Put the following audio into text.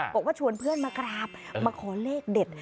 บอกว่าชวนเพื่อนมากราบมาขอเลขเด็ด